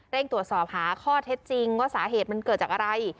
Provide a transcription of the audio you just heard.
ตรวจสอบหาข้อเท็จจริงว่าสาเหตุมันเกิดจากอะไร